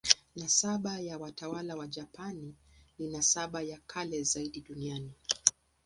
Nasaba ya watawala wa Japani ni nasaba ya kale zaidi duniani.